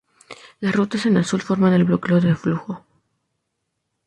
Las rutas en azul forman el bloqueo de flujo.